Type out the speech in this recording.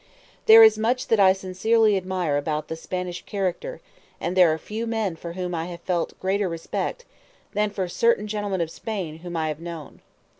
There is much that I sincerely admire about the Spanish character; and there are few men for whom I have felt greater respect than for certain gentlemen of Spain whom I have known.